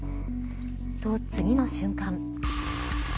と、次の瞬間。